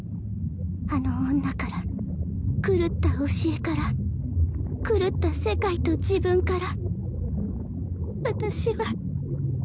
あの女から狂った教えから狂った世界と自分から。